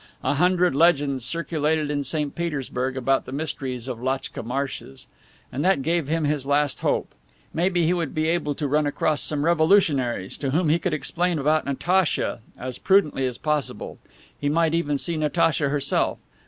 A hundred legends circulated in St. Petersburg about the mysteries of Lachtka marshes. And that gave him his last hope. Maybe he would be able to run across some revolutionaries to whom he could explain about Natacha, as prudently as possible; he might even see Natacha herself.